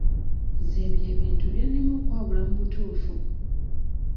Nze ebyo ebintu byannema okwawula mu butuufu.